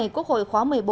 quốc hội khóa một mươi bốn